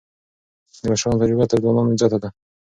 د مشرانو تجربه تر ځوانانو زياته ده.